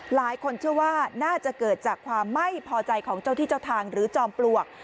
หลายคนเชื่อว่าน่าจะเกิดจากความไม่พอใจของเจ้าที่เจ้าทางหรือจอมปลวก